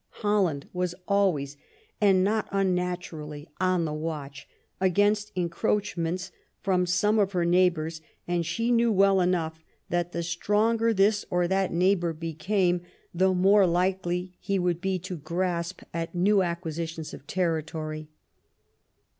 Holland was always, and not unnaturally, on the watch against encroachments from some of her neighbors, and she knew well enough that the stronger 39 THE REIGN OF QUEEN ANNE this or that neighbor became the more likely he would be to grasp at new acquisitions of territory.